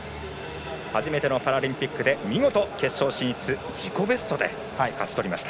初めてのパラリンピックで見事、決勝進出を自己ベストで勝ち取りました。